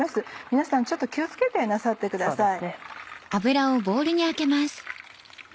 皆さんちょっと気を付けてなさってください。